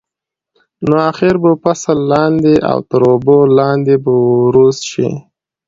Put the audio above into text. نو اخر به فصل لاندې او تر اوبو لاندې به وروست شي.